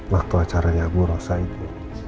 waktu acaranya abu rosa itu